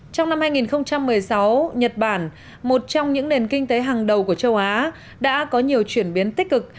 trong năm hai nghìn một mươi sáu nhật bản một trong những nền kinh tế hàng đầu của châu á đã có nhiều chuyển biến tích cực